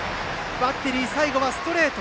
バッテリー、最後はストレート。